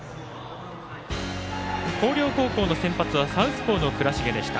広陵高校の先発はサウスポーの倉重でした。